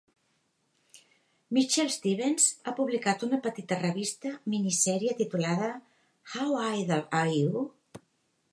Mitchell Stevens ha publicat una petita revista mini-sèrie titulada "How idle are you?"